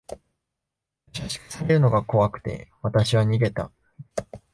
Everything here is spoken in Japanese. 優しくされるのが怖くて、わたしは逃げた。